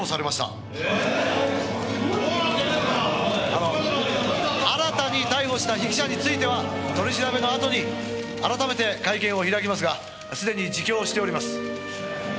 「あの新たに逮捕した被疑者については取り調べのあとに改めて会見を開きますがすでに自供をしております」